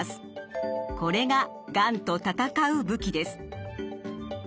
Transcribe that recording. これががんと戦う武器です。